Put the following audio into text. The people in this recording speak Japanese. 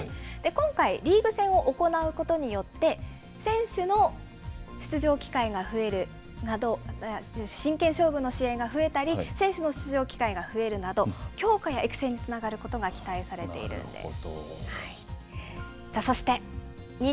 今回、リーグ戦を行うことによって、選手の出場機会が増えるなど、真剣勝負の試合が増えたり、選手の出場機会が増えるなど、強化や育成につながることが期待されているんです。